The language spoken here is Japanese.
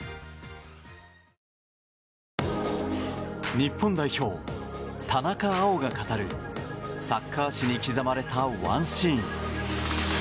日本代表、田中碧が語るサッカー史に刻まれたワンシーン。